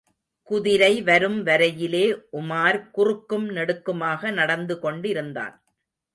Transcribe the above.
குதிரை வரும் வரையிலே உமார் குறுக்கும் நெடுக்குமாக நடந்து கொண்டிருந்தான்.